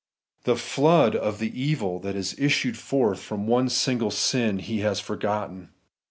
The flood of evil that has issued forth from one single sin he has forgotten.